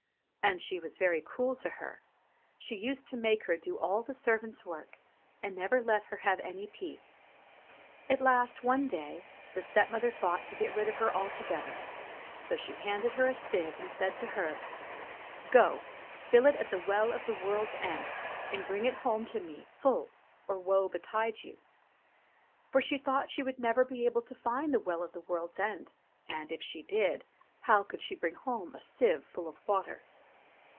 And she was very cruel to her ; she used to make her do all the servant's work, and never let her have any peace. At last, one day, the stepmother thought to get rid of her altogether ; so she handed her a sieve and said to her : "Go, fill it at the Well of the World's End and bring it home to me full, or woe betide you." For she thought she would never be able to find the Well of the World's End, and, if she did, how could she bring home a sieve full of water